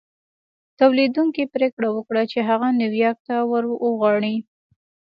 توليدوونکي پرېکړه وکړه چې هغه نيويارک ته ور وغواړي.